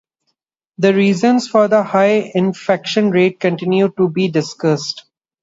The reasons for the high infection rate continue to be discussed.